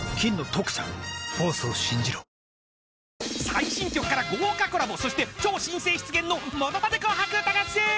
［最新曲から豪華コラボそして超新星出現の『ものまね紅白歌合戦』］